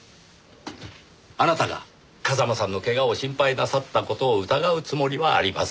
あなたが風間さんの怪我を心配なさった事を疑うつもりはありません。